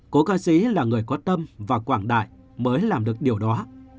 cố ca sĩ là người có tâm và quảng đại mới làm được điều đó